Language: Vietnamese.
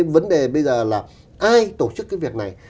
vấn đề bây giờ là ai tổ chức cái việc này